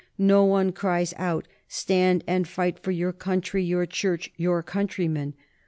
No one cries out, Stand and fight for your country, your church, your countrymen.